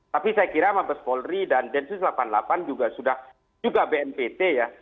tapi saya kira mabes polri dan densus delapan puluh delapan juga sudah juga bnpt ya